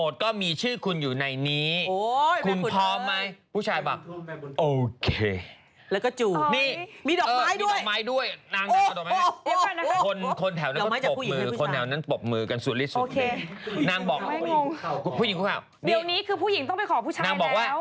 เดี๋ยวนี้คือผู้หญิงต้องไปขอว่าผู้ชายแล้ว